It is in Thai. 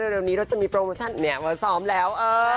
เร็วนี้เราจะมีโปรโมชั่นแหน่งมาสอบแล้ว